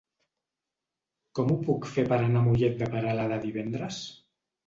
Com ho puc fer per anar a Mollet de Peralada divendres?